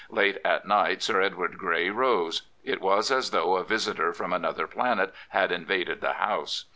Late at night Sir Edward Grey rose. It was as though a visitor from another planet had invaded the House.